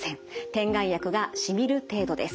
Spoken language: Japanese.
点眼薬がしみる程度です。